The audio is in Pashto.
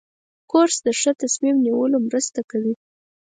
کورس د ښه تصمیم نیولو مرسته کوي.